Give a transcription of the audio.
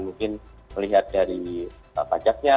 mungkin melihat dari pajaknya